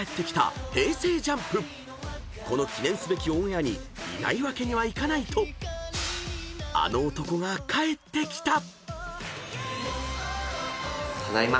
［この記念すべきオンエアにいないわけにはいかないとあの男が帰ってきた！］